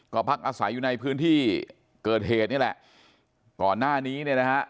ก็พักอาศัยอยู่ในพื้นที่เกิดเหตุนี่แหละก่อนหน้านี้เนี่ยนะฮะ